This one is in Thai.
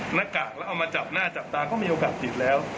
หน้ากากแล้วเอามาจับหน้าจับตาก็มีโอกาสติดแล้ว